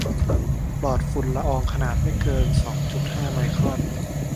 ปลอดฝุ่นละอองขนาดไม่เกินสองจุดห้าไมครอน